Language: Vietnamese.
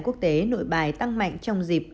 quốc tế nội bài tăng mạnh trong dịp